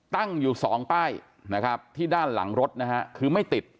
ตั้งอยู่สองป้ายนะครับที่ด้านหลังรถนะฮะคือไม่ติด